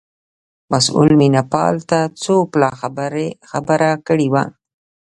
مسئول مینه پال ته څو پلا خبره کړې وه.